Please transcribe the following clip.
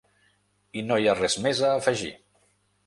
I no hi ha res més a afegir.